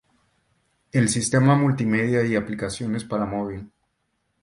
El sistema multimedia y aplicaciones para móvil.